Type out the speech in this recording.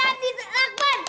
alec udah diam aja lu